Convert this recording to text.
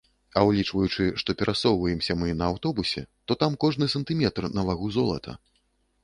А ўлічваючы, што перасоўваемся мы на аўтобусе, то там кожны сантыметр на вагу золата.